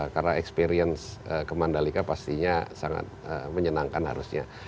karena experience ke mandalika pastinya sangat menyenangkan harusnya